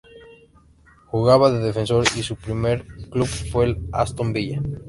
Jugaba de defensor y su primer club fue el Aston Villa.